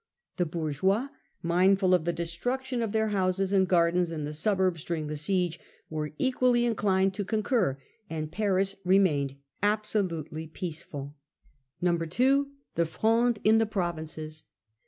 The bour geoiSy mindful of the destruction of their houses and gardens in the suburbs during the siege, were equally in clined to concur, and Paris remained absolutely peaceful. 2. The Fronde in the Provinces.